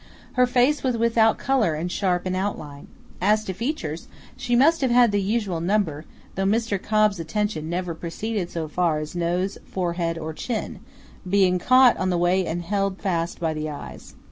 Her face was without color and sharp in outline. As to features, she must have had the usual number, though Mr. Cobb's attention never proceeded so far as nose, forehead, or chin, being caught on the way and held fast by the eyes.